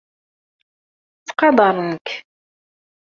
Ttqadarent-k.